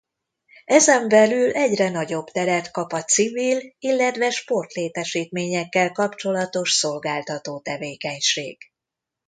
Ezen belül egyre nagyobb teret kap a civil- illetve sportlétesítményekkel kapcsolatos szolgáltató tevékenység.